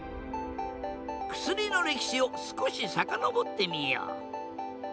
薬の歴史を少し遡ってみよう。